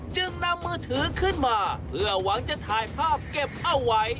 จึงนำมือถือขึ้นมาเพื่อหวังจะถ่ายภาพเก็บเอาไว้